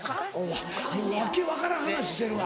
もう訳分からん話してるわ。